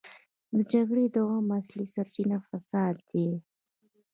د جګړې د دوام اصلي سرچينه فساد دی.